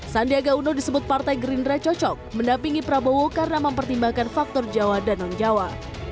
sandiaga uno disebut partai gerindra cocok mendampingi prabowo karena mempertimbangkan faktor jawa dan non jawa